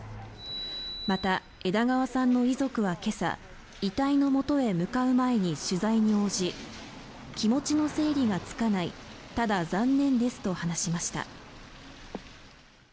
また、枝川さんの遺族は今朝遺体のもとへ向かう前に取材に応じ気持ちの整理がつかないただ残念ですと話しました。